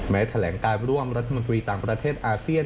แถลงการร่วมรัฐมนตรีต่างประเทศอาเซียน